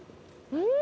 うん！